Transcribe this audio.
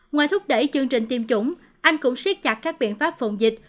ngoài thúc đẩy chương trình tiêm chủng anh cũng siết chặt các biện pháp phòng dịch